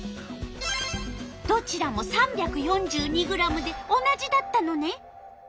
どちらも３４２ｇで同じだったのね。